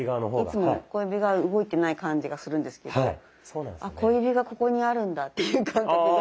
いつも小指が動いてない感じがするんですけど「小指がここにあるんだ」っていう感覚が。